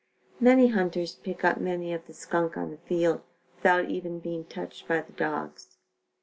Many hunters pick up many of the skunk on the field, without even being touched by the dogs.